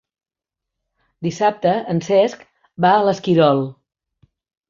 Dissabte en Cesc va a l'Esquirol.